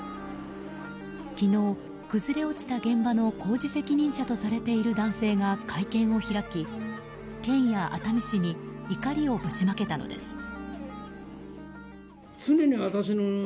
昨日、崩れ落ちた現場の工事責任者とされている男性が会見を開き、県や熱海市に怒りをぶちまけたのです。